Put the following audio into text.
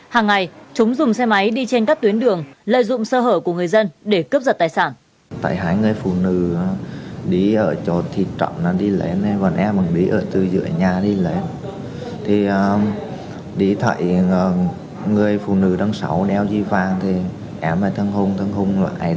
hàng ngày chúng dùng xe máy đi trên các tuyến đường lợi dụng sơ hở của người dân để cướp giật tài sản